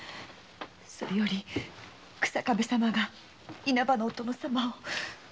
それより日下部様が稲葉のお殿様を。